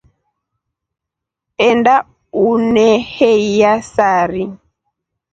Enda uneheiya sari.